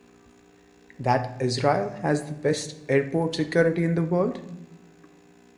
That Israel has the best airport security in the world?